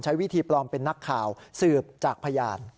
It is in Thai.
วิธีปลอมเป็นนักข่าวสืบจากพยาน